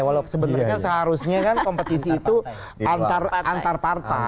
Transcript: walaupun seharusnya kan kompetisi itu antar antar